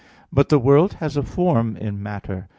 But the world has a form in matter.